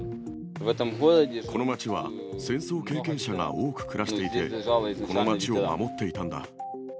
この街は戦争関係者が多く暮らしていて、この街を守っていたんだ。